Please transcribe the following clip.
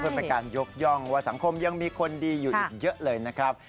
เพื่อเป็นการยกย่องว่าสังคมยังมีคนดีอยู่อีกเยอะเลยนะครับ